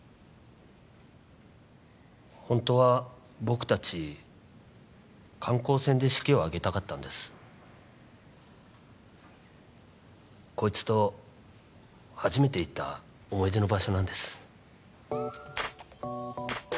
ホントは僕たち観光船で式を挙げたかったんですこいつと初めて行った思い出の場所なんです